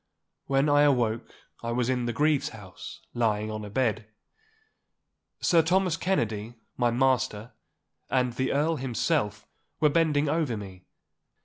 When I awoke I was in the Grieve's house, lying on a bed. Sir Thomas Kennedy, my master, and the Earl himself were bending over me.